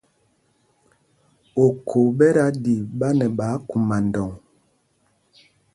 Okhô ɓɛ da ɗi ɓa nɛ ɓáákguma ndɔŋ.